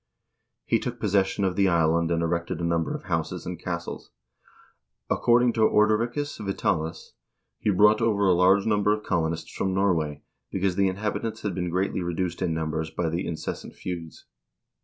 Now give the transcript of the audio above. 2 He took possession of the island and erected a number of houses and castles. According to Ordericus Vitalis,3 he brought over a large number of colonists from Norway, because the inhabitants had been greatly reduced in numbers by the incessant feuds.